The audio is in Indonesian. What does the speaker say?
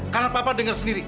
karena papa denger sendiri